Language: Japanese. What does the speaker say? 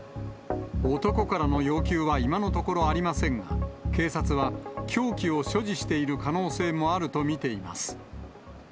男からの要求は今のところありませんが、警察は、凶器を所持している可能性もあると見ています。